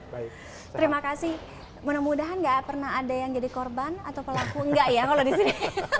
terima kasih mudah mudahan gak pernah ada yang jadi korban atau pelaku enggak ya kalau di sini